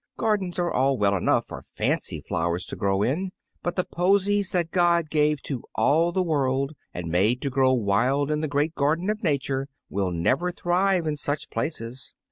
Gardens are all well enough for fancy flowers to grow in, but the posies that God gave to all the world, and made to grow wild in the great garden of Nature, will never thrive in other places.